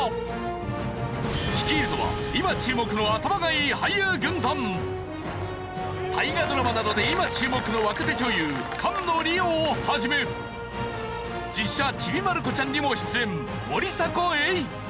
率いるのは今注目の大河ドラマなどで今注目の若手女優菅野莉央を始め実写『ちびまる子ちゃん』にも出演森迫永依。